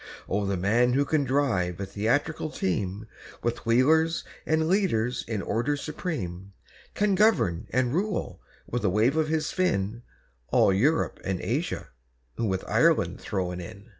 Oh, the man who can drive a theatrical team, With wheelers and leaders in order supreme, Can govern and rule, with a wave of his fin, All Europe and Asia—with Ireland thrown in!